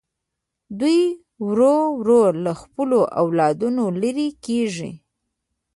دوی ورو ورو له خپلو اولادونو لرې کېږي.